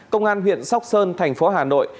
công an huyện sóc sơn thành phố hà nội